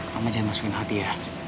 kamu jangan masukin hati ya